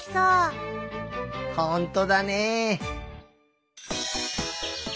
ほんとだね。